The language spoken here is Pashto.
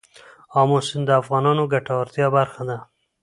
آمو سیند د افغانانو د ګټورتیا برخه ده.